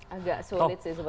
agak sulit sih seperti